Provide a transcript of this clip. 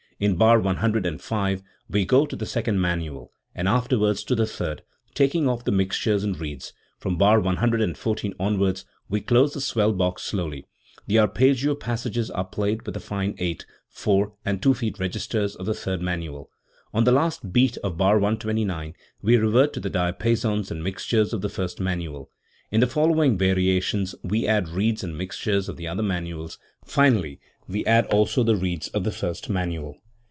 In bar 105 we go to the second manual, and after wards to the third, taking off the mixtures and reeds; from bar 114 onwards we close the swell box slowly; the arpeggio passages are played with fine eight, four, and two feet registers of the third manual. On the last beat of bar 129 we revert to the diapasons and mixtures of the first manual; in the following variations we add reeds and mixtures of the other manuals; finally we add also the reeds of the first manual.